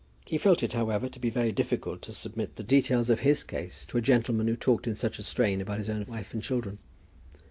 He felt it, however, to be very difficult to submit the details of his case to a gentleman who talked in such a strain about his own wife and children.